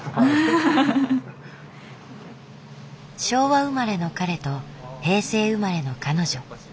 昭和生まれの彼と平成生まれの彼女。